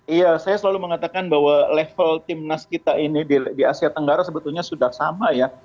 iya saya selalu mengatakan bahwa level timnas kita ini di asia tenggara sebetulnya sudah sama ya